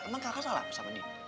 emang kakak salah sama dia